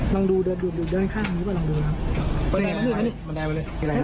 ลองดูเดินข้างหนึ่งก็ลองดูนะครับ